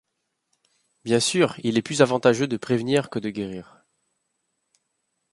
Bien sûr, il est plus avantageux de prévenir que de guérir.